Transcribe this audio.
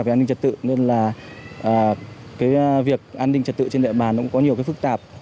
phức tạp về an ninh trẻ tự nên là cái việc an ninh trẻ tự trên địa bàn nó cũng có nhiều cái phức tạp